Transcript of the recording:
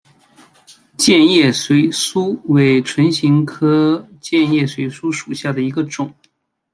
箭叶水苏为唇形科箭叶水苏属下的一个种。